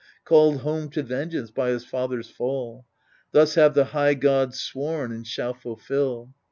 Called home to vengeance by his father's fall : Thus have the high gods sworn, and shall fulfil.